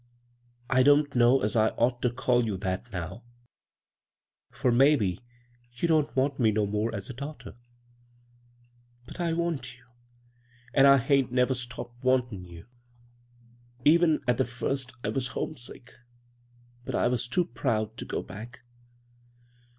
"' I don't know as I ought to call you that now, for maybe you don't want me no more as a daughter. But I want you, and I hain't never stopped wantin' you. 84 bvGoog[c CROSS CURRENTS Even at the first I was homesick, too proud to go back.